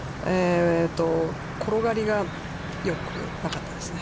転がりが、よくなかったですね。